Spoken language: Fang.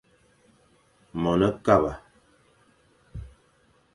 Mone kaba.